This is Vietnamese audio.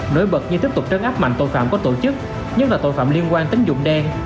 nổi bật như tiếp tục trấn áp mạnh tội phạm có tổ chức nhất là tội phạm liên quan tính dụng đen